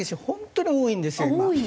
本当に多いんですよ